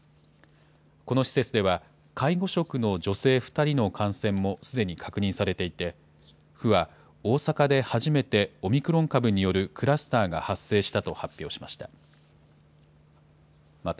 この施設では、介護職の女性２人の感染もすでに確認されていて、府は大阪で初めてオミクロン株によるクラスターが発生したと発表しました。